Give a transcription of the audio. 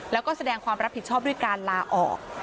แล้วก็แสดงความรับผิดชอบด้วยการลาออก